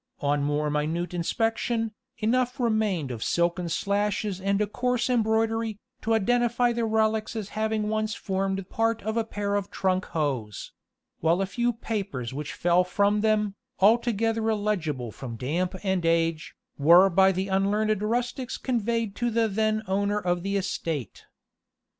On more minute inspection, enough remained of silken slashes and a coarse embroidery, to identify the relics as having once formed part of a pair of trunk hose; while a few papers which fell from them, altogether illegible from damp and age, were by the unlearned rustics conveyed to the then owner of the estate.